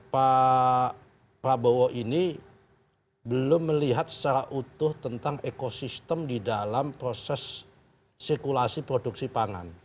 pak prabowo ini belum melihat secara utuh tentang ekosistem di dalam proses sirkulasi produksi pangan